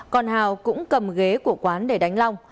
còn hào cũng cầm ghế của quán để đánh long